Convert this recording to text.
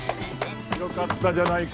良かったじゃないか。